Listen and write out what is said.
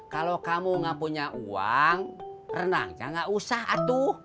kalau kamu gak punya uang rendangnya gak usah atu